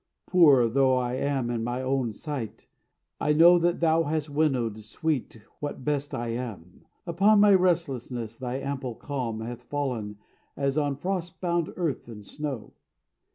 Poor though I am in my own sight, I know That thou hast winnowed, sweet, what best I am; Upon my restlessness thy ample calm Hath fallen as on frost bound earth the snow.